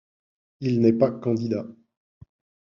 Il n'est pas candidat.